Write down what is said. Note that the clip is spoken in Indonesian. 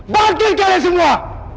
bangkit kalian semua